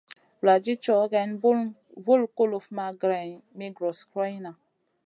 Vuladid cow geyn, bun vul kuluf ma greyn mi gros goroyna.